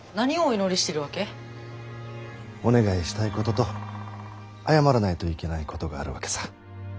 お願いしたいことと謝らないといけないことがあるわけさ。